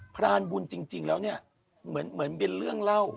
พรานบุญจริงแล้วเนี่ยเหมือนเป็นเรื่องเล่า